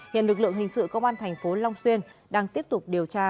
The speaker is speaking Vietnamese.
hiện lực lượng hình sự công an tp long xuyên đang tiếp tục điều tra